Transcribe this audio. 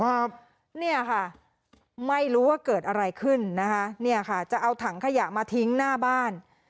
ครับเนี่ยค่ะไม่รู้ว่าเกิดอะไรขึ้นนะคะเนี่ยค่ะจะเอาถังขยะมาทิ้งหน้าบ้าน